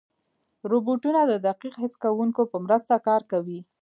روبوټونه د دقیق حس کوونکو په مرسته کار کوي.